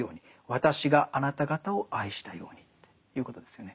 私があなた方を愛したようにということですよね。